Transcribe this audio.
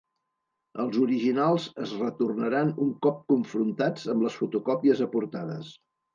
Els originals es retornaran un cop confrontats amb les fotocòpies aportades.